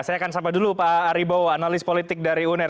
saya akan sapa dulu pak aribowo analis politik dari uner